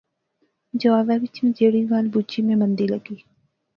جوابے وچ میں جہیڑی گل بجی میں مندی لغی